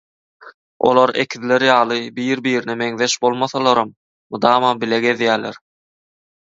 Olar ekizler ýaly biri-birine meňzeş bolmasalaram, mydama bile gezýäler.